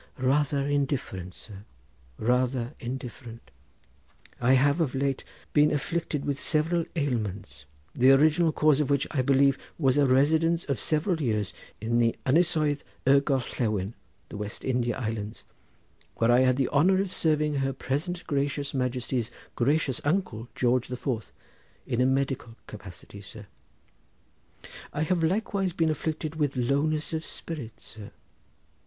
"Rather indifferent, sir, rather indifferent. I have of late been afflicted with several ailments the original cause of which, I believe, was a residence of several years in the Ynysoedd y Gorllewin—the West India Islands—where I had the honour of serving her present gracious Majesty's gracious uncle, George the Fourth—in a medical capacity, sir. I have likewise been afflicted with lowness of spirits, sir.